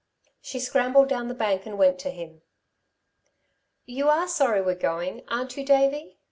She scrambled down the bank and went to him. "You are sorry we're going, aren't you, Davey?"